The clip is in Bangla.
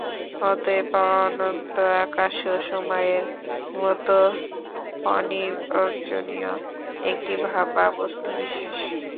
অতএব অনন্ত আকাশও সময়ের মত অনির্বচনীয় একটি ভাব বা বস্তুবিশেষ।